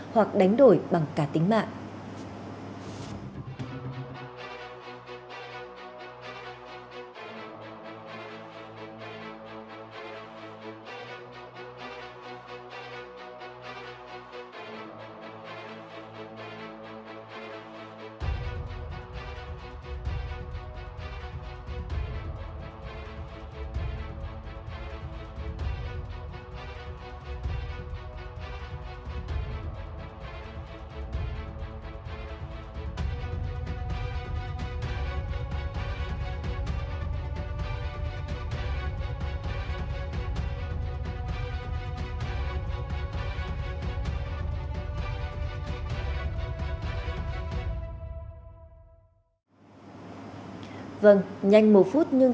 hoặc đánh đổi bằng cả tính mạng